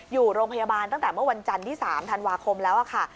อยู่โรงพยาบาลตั้งแต่เมื่อวันจันทร์ที่๓ธันวาคมแล้วค่ะ